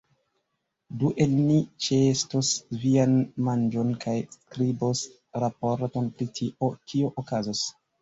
Du el ni ĉeestos vian manĝon kaj skribos raporton pri tio, kio okazos.